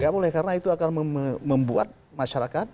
tidak boleh karena itu akan membuat masyarakat